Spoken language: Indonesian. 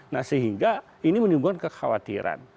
nah sehingga ini menimbulkan kekhawatiran